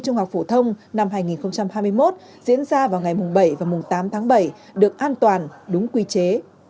năm hai nghìn hai mươi một diễn ra vào ngày bảy và tám tháng bảy được an toàn đúng quy chế